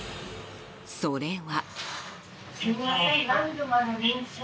それは。